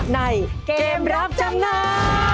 ในเกมรับจำนำ